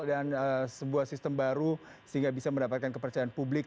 dan sebuah sistem baru sehingga bisa mendapatkan kepercayaan publik